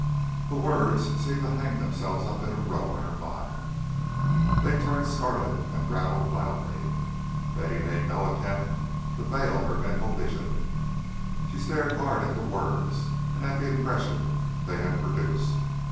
The words seemed to hang themselves up in a row in her mind; they turned scarlet and rattled loudly. Betty made no attempt to veil her mental vision; she stared hard at the words and at the impression they had produced.